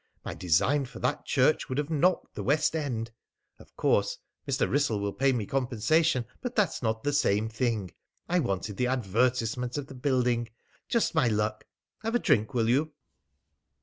My design for that church would have knocked the West End! Of course Mr. Wrissell will pay me compensation, but that's not the same thing. I wanted the advertisement of the building.... Just my luck! Have a drink, will you?"